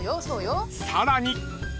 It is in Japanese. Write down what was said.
［さらに］